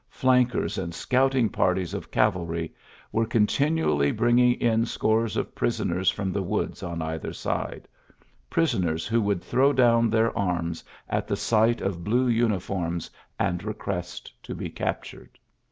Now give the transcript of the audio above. Flankers and scouting parties of cavalry were con tinually bringing in scores of prisoners from the woods on either side, — pris oners who would throw down their arms at the sight of blue uniforms and request to be captured.